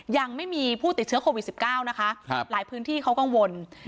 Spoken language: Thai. ยังไม่มีผู้ติดเชื้อโควิด๑๙นะคะหลายพื้นที่เขากังวล